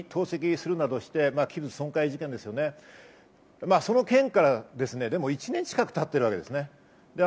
車に投石するなどした器物損壊事件ですよね、その件から１年近く経っているわけです。